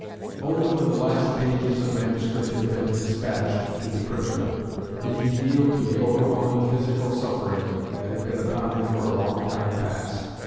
Only when the last pages of manuscript had been despatched to the printer did he yield to the overwhelming physical suffering that had been upon him for a long time past.